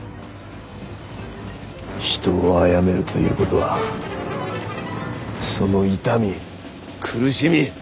人をあやめるということはその痛み苦しみ